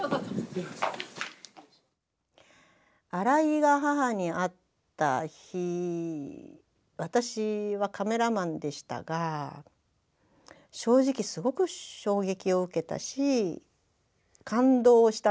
荒井が母に会った日私はカメラマンでしたが正直すごく衝撃を受けたし感動したんですよね。